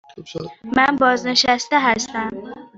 من بازنشسته هستم.